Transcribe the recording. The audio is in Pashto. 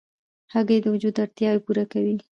هګۍ د وجود اړتیاوې پوره کوي.